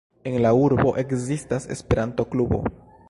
En la urbo ekzistas Esperanto-klubo.